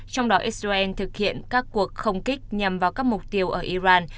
trong đó israel thực hiện các cuộc không kích nhằm vào các mục tiêu ở iran